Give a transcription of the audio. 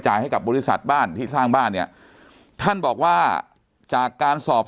ให้กับบริษัทบ้านที่สร้างบ้านเนี่ยท่านบอกว่าจากการสอบ